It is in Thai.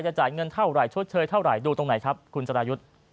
จ่ายเงินเท่าไหร่ชดเชยเท่าไหร่ดูตรงไหนครับคุณสรายุทธ์